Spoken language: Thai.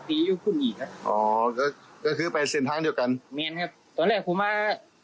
พี่บ๊ายพี่บ๊ายพี่บ๊ายพี่บ๊ายพี่บ๊ายพี่บ๊าย